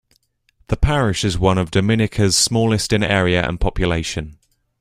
The parish is one of Dominica's smallest in area and population.